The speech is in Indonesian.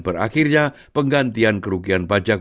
berakhirnya penggantian kerugian pajak